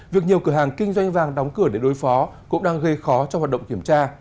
việc nhiều cửa hàng kinh doanh vàng đóng cửa để đối phó cũng đang gây khó cho hoạt động kiểm tra